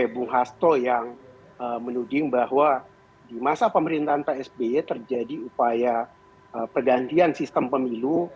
bung hasto yang menuding bahwa di masa pemerintahan pak sby terjadi upaya pergantian sistem pemilu